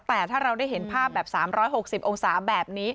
แต่ถ้าเราได้เห็นภาพแบบ๓๖๐องศาแบบนี้